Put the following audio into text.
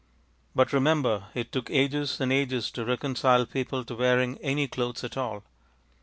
But remember it took ages and ages to reconcile people to wearing any clothes at all.